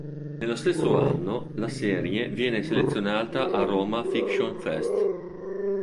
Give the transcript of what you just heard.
Nello stesso anno la serie viene selezionata al Roma Fiction Fest.